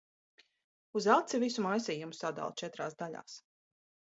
Uz aci visu maisījumu sadala četrās daļās.